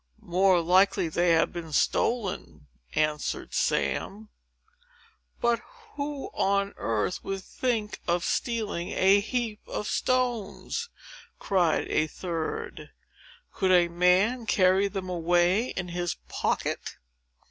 "More likely they have been stolen!" answered Sam. "But who on earth would think of stealing a heap of stones?" cried a third. "Could a man carry them away in his pocket?"